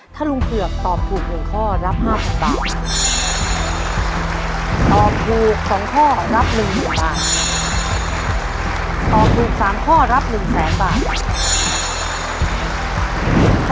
ถ้าลุงเผือกตอบถูก๑ข้อรับ๕๐บาท